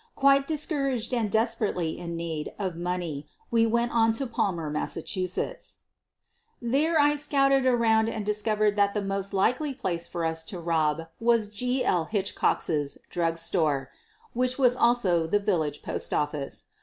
Quite discouraged and des perately in need of money we went on to Palmer, Mass. There I scouted around and discovered that the 120 SOPHIE LYONS most likely place for us to rob was G. L. Hitchcock's drug store, which was also the village postoffice.